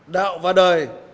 đạo và đời